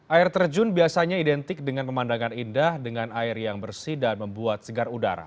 air terjun biasanya identik dengan pemandangan indah dengan air yang bersih dan membuat segar udara